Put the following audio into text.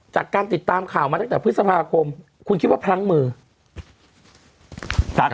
จากการติดตามข่าวมาตั้งแต่พฤษภาคมคุณคิดว่าพลั้งมือ